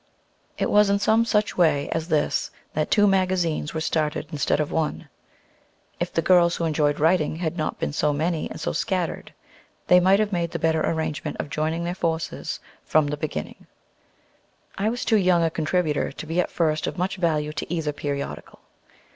It was in some such way as this that two magazines were started instead of one. If the girls who enjoyed writing had not been so many and so scattered, they might have made the better arrangement of joining their forces from the beginning. I was too young a contributor to be at first of much value to either periodical.